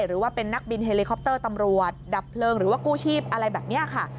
หรือว่าเป็นนักบินเฮลิคอปเตอร์ตำรวจดับเพลิงหรือว่ากู้ชีพอะไรแบบนี้ค่ะ